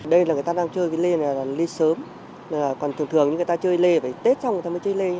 đây là người ta đang chơi cái lê này là lê sớm còn thường thường người ta chơi lê phải tết xong người ta mới chơi lê